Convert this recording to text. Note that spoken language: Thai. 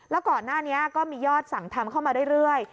แล้วก่อนหน้านี้ก็มียอดสั่งทำเข้ามาเรื่อย